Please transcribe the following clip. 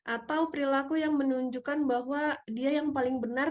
atau perilaku yang menunjukkan bahwa dia yang paling benar